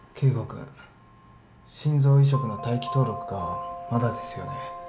君心臓移植の待機登録がまだですよね？